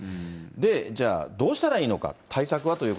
じゃあどうしたらいいのか、対策